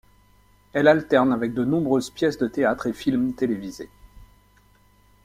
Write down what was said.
Elle alterne avec de nombreuses pièces de théâtre et films télévisés.